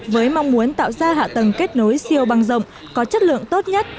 với mong muốn tạo ra hạ tầng kết nối siêu băng rộng có chất lượng tốt nhất